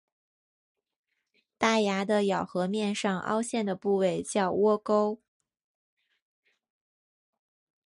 大牙的咬合面上凹陷的部位叫窝沟。